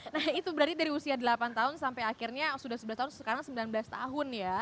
nah itu berarti dari usia delapan tahun sampai akhirnya sudah sebelas tahun sekarang sembilan belas tahun ya